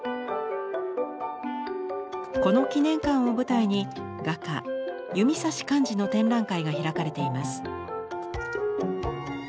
この記念館を舞台に画家弓指寛治の展覧会が開かれています。